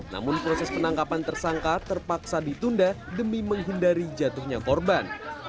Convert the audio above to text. namun proses penangkapan tersangka terpaksa ditunda demi menghindari jatuhnya korban